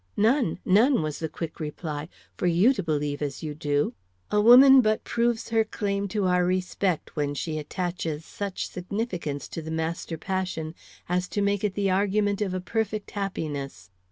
"None, none," was the quick reply, "for you to believe as you do. A woman but proves her claim to our respect when she attaches such significance to the master passion as to make it the argument of a perfect happiness."